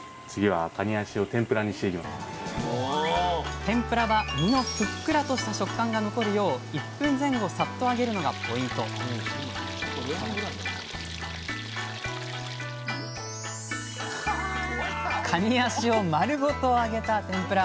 天ぷらは身のふっくらとした食感が残るよう１分前後さっと揚げるのがポイントかに脚を丸ごと揚げた天ぷら。